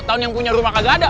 tahun yang punya rumah kagak ada